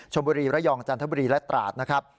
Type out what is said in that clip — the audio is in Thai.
บุรีระยองจันทบุรีและตราดนะครับ